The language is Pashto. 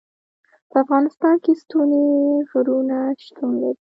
په افغانستان کې ستوني غرونه شتون لري.